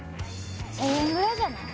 １０００円ぐらいじゃない？